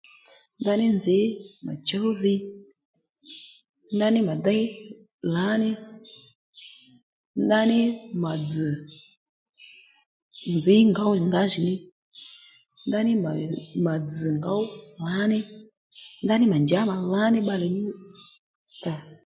Ndaní nzǐ mà chǔw dhi ndaní mà déy lǎní ndaní mà dzz̀ nzǐ ngǒw ngǎjìní ndaní mà mà dzz̀ ngǒw lǎní ndaní mà njǎ mà lǎní bbalè nyú djú